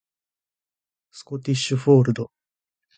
スコティッシュフォールド